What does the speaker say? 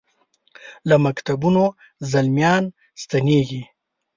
له مکتبونو زلمیا ن ستنیږي